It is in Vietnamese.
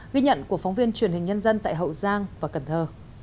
ghi nhận của phóng viên truyền hình nhân dân tại hậu giang và cần thơ